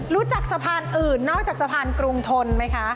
รู้จักสะพานอื่นน้องจากสะพานกรุงทนไหมคะ